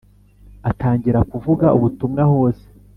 Atangira kuvuga ubutumwa hose